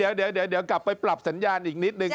เอาอย่างงี้เดี๋ยวกลับไปปรับสัญญาณอีกนิดนึง